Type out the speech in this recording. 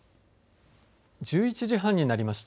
１１時半になりました。